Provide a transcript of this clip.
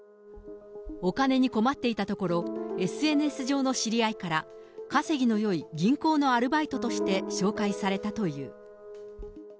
お金に困っていたところ、ＳＮＳ上の知り合いから、稼ぎのよい銀行のアルバイトとして紹介されたという。